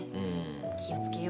気を付けよう。